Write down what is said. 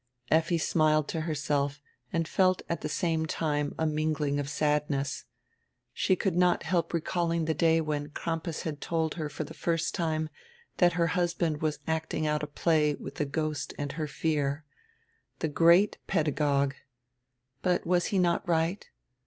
Effi smiled to herself and felt at the same time a mingling of sadness. She could not help recalling the day when Crampas had told her for the first time that her husband was acting out a play with the ghost and her fear. The great pedagogue! But was he not right?